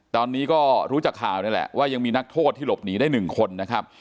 ตอนนี้ก็รู้จากข่าวนี่แหละว่ายังมีนักโทษที่หลบหนีได้๑คนนะครับ